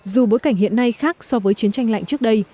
dù bối cảnh hiện nay khác so với chiến tranh lạnh trước đây